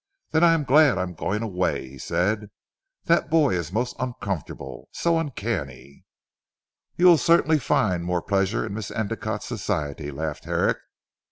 "Then I am glad I am going away," he said, "that boy is most uncomfortable so uncanny." "You will certainly find more pleasure in Miss Endicotte's society!" laughed Herrick.